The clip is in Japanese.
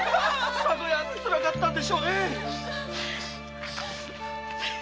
さぞつらかったことでしょうね。